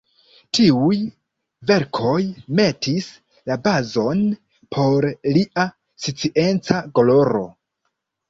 Tiuj verkoj metis la bazon por lia scienca gloro.